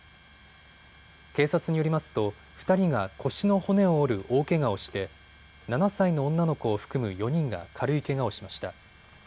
警察によりますと、２人が腰の骨を折る大けがをして７歳の女の子を含む４人が軽いけがをしました。